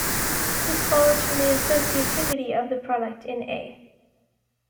This follows from the associativity of the product in "A".